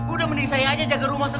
udah mending saya aja jaga rumah tangga